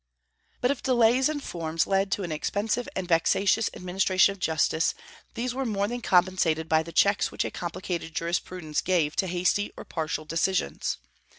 But if delays and forms led to an expensive and vexatious administration of justice, these were more than compensated by the checks which a complicated jurisprudence gave to hasty or partial decisions.